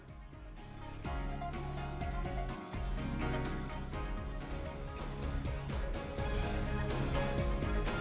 sna indonesia forward